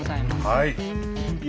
はい。